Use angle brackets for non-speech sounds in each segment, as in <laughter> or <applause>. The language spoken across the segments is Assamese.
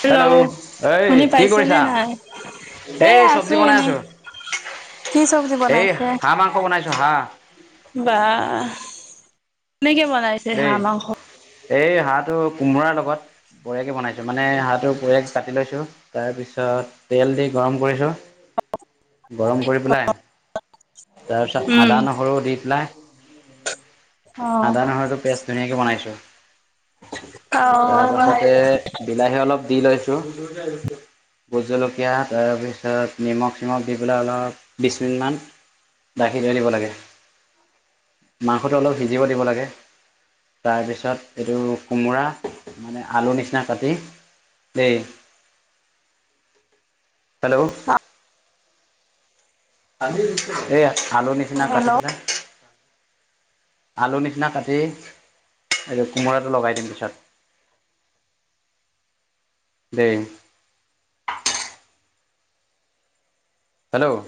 হেল্ল' এই শুনি কি পাইছেনে কৰিছা? নাই? সেই এই চব্জি আছোঁ বনাই এনেই। আছো। কি চব্জি এই বনাইছে? হাঁহ মাংস বনাইছো হাঁহ বা, কেনেকে বনাইছে দেই হাঁহ মাংস? এই হাঁহটো কোমোৰাৰ লগত। বঢ়িয়াকে বনাইছোঁ। মানে হাঁহটো বঢ়িয়াকে কাটি লৈছোঁ, তাৰপিছত তেল দি গৰম কৰিছোঁ। <unintelligible> গৰম কৰি পেলাই তাৰপিছত উম, আদা নহৰু দি পেলাই অ'। আদা নহৰুটো পেষ্ট ধুনীয়াকে বনাইছো, তাৰপাছতে বিলাহী অলপ দি লৈছোঁ। ভোট জলকীয়া তাৰপিছত নিমখ চিমখ দি পেলাই অলপ বিশমিনিটমানৰ ঢ়াকি থৈ দিব লাগে, মাংসটো অলপ সিজিব দিব লাগে। তাৰপিছত এইটো কোমোৰা মানে আলু নিচিনা কাটি <unintelligible> হেল্ল। <unintelligible> সেইয়া আলু নিচিনা কাটি হেল্ল' পেলাই আলু নিচিনা কাটি এইটো কোমোৰাটো লগাই দিম পিছত। দেই। হেল্ল'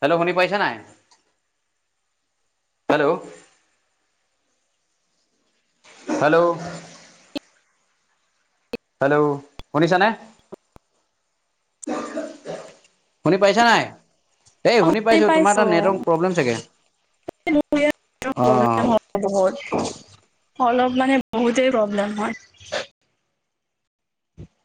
হেল্ল' শুনি পাইছা নাই? হেল্ল। হেল্ল। হেল্ল' শুনিছা নে? <inaudible> শুনি পাইছা নাই? এই অ', শুনি পাইছোঁ, তোমাৰ পাইছো। তাত নেটৱৰ্ক প্ৰব্লেম চাগে। মোৰ ইয়াত অহ। <unintelligible> অলপ মানে বহুতেই প্ৰব্লেম হয়।